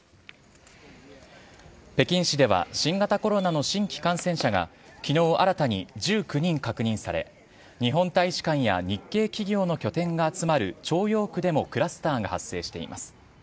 北京市では新型コロナの新規感染者がきのう、新たに１９人確認され、日本大使館や日系企業の拠点が集まる朝陽区でもクラスターが発生しています。